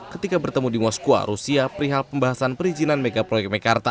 ketika bertemu di moskwa rusia perihal pembahasan perizinan megaproyek mekarta